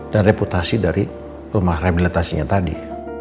dan reputasi dari rumah rehabilitasinya tadi